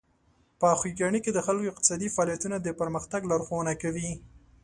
په خوږیاڼي کې د خلکو اقتصادي فعالیتونه د پرمختګ لارښوونه کوي.